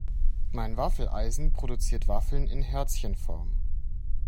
Mein Waffeleisen produziert Waffeln in Herzchenform.